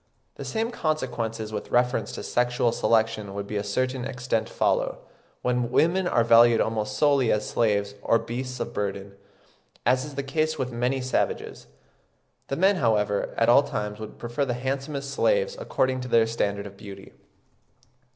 The same consequences with reference to sexual selection would to a certain extent follow, when women are valued almost solely as slaves or beasts of burden, as is the case with many savages. The men, however, at all times would prefer the handsomest slaves according to their standard of beauty.